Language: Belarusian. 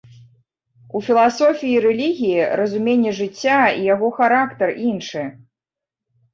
У філасофіі і рэлігіі, разуменне жыцця і яго характар іншы.